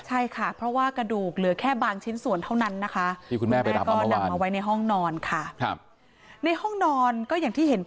ใช่ค่ะเพราะว่ากระดูกเหลือแค่บางชิ้นส่วนเท่านั้นนะคะ